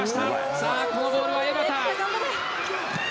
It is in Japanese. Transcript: さあこのボールは江畑。